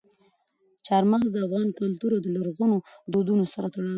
چار مغز د افغان کلتور او لرغونو دودونو سره تړاو لري.